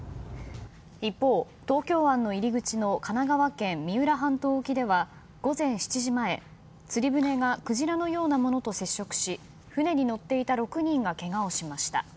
一方、東京湾の入り口の神奈川県三浦半島沖では午前７時前、釣り船がクジラのようなものと接触し船に乗っていた６人がけがをしました。